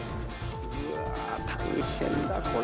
うわあ大変だこれ。